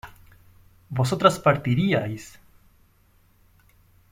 ¿vosotras partiríais?